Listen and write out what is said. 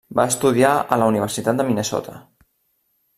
Va estudiar a la Universitat de Minnesota.